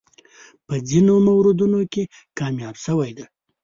په ځینو موردونو کې کامیاب شوی دی.